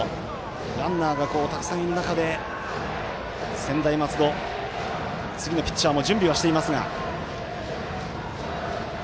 ランナーが、たくさんいる中で専大松戸、次のピッチャーも準備はしていますが。